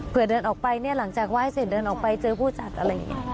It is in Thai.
เพื่อเดินออกไปเนี่ยหลังจากไหว้เสร็จเดินออกไปเจอผู้จัดอะไรอย่างนี้